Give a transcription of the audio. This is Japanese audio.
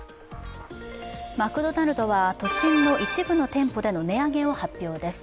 マクドナルドは、都心の一部の店舗での値上げを発表です。